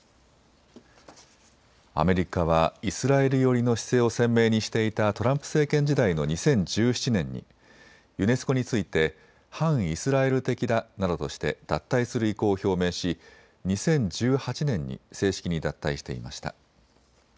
アメリカはイスラエル寄りの姿勢を鮮明にしていたトランプ政権時代の２０１７年にユネスコについて反イスラエル的だなどとして脱退する意向を表明し２０１８年に正式に脱退していました。